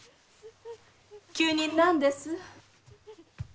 急に何です？